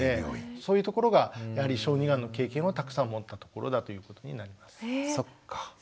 そういうところがやはり小児がんの経験をたくさん持ったところだということになります。